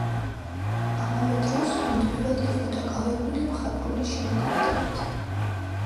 ამავე დროს, მუდმივად იყო დაკავებული მხატვრული შემოქმედებით.